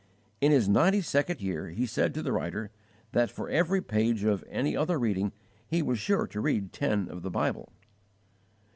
In his ninety second year, he said to the writer, that for every page of any other reading he was sure he read ten of the Bible.